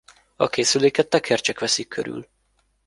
A készüléket tekercsek veszik körül.